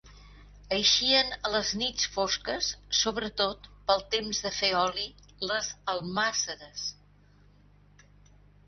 Eixien a les nits fosques, sobretot pel temps de fer oli les almàsseres.